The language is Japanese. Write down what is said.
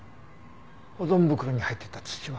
保存袋に入ってた土は？